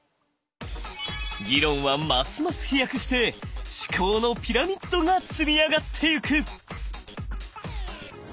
議論はますます飛躍して思考のピラミッドが積み上がっていく！